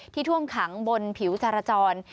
ท่วมขังบนผิวจรจร